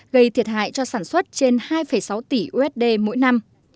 gây thiệt hại cho sản xuất trên hai sáu tỷ usd mỗi năm